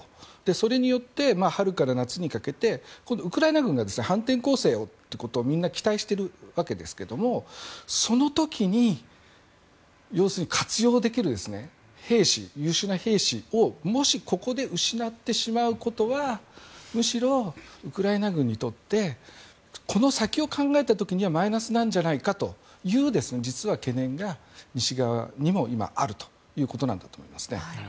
それによって春から夏にかけて今度はウクライナ軍が反転攻勢をということをみんな期待しているわけですがその時に活用できる兵士優秀な兵士をもし、ここで失ってしまうことはむしろウクライナ軍にとってこの先を考えた時にはマイナスなんじゃないかという実は懸念が西側にも今、あるということなんだと思いますね。